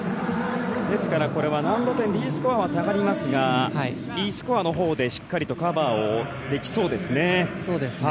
ですからこれはＤスコアは下がりますがＥスコアのところでしっかりとカバーできそうですね。